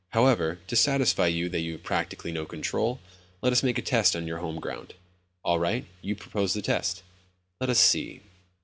However, to satisfy you that you have practically no control, let us make a test on your home ground." "All right. You propose the test." "Let us see